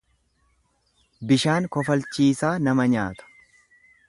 Bishaan kofalchiisaa nama nyaata.